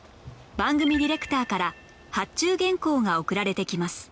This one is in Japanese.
番組ディレクターから発注原稿が送られてきます